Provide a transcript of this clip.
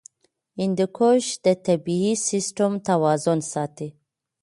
هندوکش د طبعي سیسټم توازن ساتي.